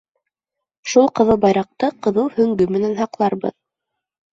Шул ҡыҙыл байраҡты ҡыҙыл һөңгө менән һаҡларбыҙ.